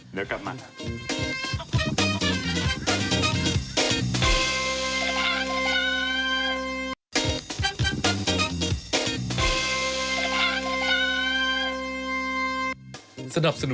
เดี๋ยวกลับมาครับ